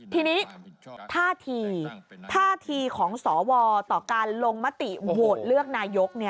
ทีนี้ท่าทีท่าทีของสวต่อการลงมติโหวตเลือกนายก